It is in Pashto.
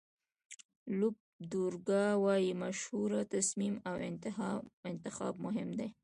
لوپ دورکا وایي مشوره، تصمیم او انتخاب مهم دي.